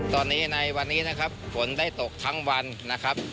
ตอนนี้ในวันนี้นะครับฝนได้ตกทั้งวันนะครับ